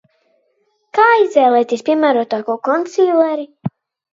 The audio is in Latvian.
Kā izvēlēties piemērotāko konsīleri?